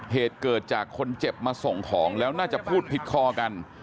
เหตุเกิดจากคนเจ็บมาส่งของแล้วน่าจะพูดผิดคอกัน